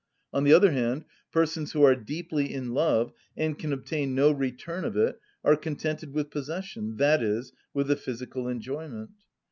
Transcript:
On the other hand, persons who are deeply in love, and can obtain no return of it, are contented with possession, i.e., with the physical enjoyment.